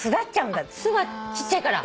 巣がちっちゃいから。